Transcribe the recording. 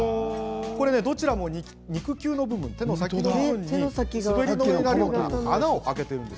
どちらも肉球の部分手の先の部分に、滑り止めになる穴を開けているんです。